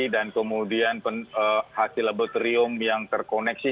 dan kemudian hasil level terium yang terkoneksi